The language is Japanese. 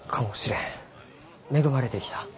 恵まれてきた。